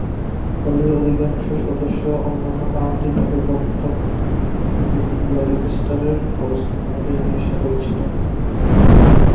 দলের অধিকাংশ সদস্য অন্যান্য কাউন্টি থেকে প্রত্যাখ্যাত কিংবা লিচেস্টারশায়ারের অবস্থান অনুযায়ী নিয়ে আসা হয়েছিল।